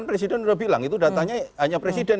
presiden sudah bilang itu datanya hanya presiden